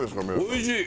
おいしい！